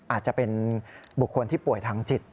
อาจจะเป็นบุคคลที่ป่วยทางจิต